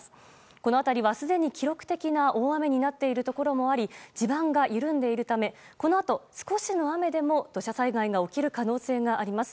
この辺りはすでに記録的な大雨になっているところもあり地盤が緩んでいるためこのあと、少しの雨でも土砂災害が起きる可能性があります。